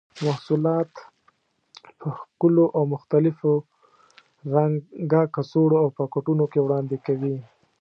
محصولات په ښکلو او مختلفو رنګه کڅوړو او پاکټونو کې وړاندې کوي.